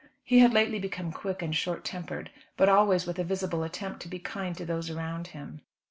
He had lately become quick and short tempered, but always with a visible attempt to be kind to those around him.